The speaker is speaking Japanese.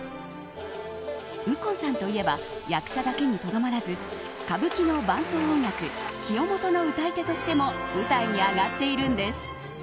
右近さんといえば役者だけにとどまらず歌舞伎の伴奏音楽清元の唄い手としても舞台に上がっているんです。